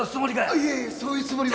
いえいえそういうつもりは！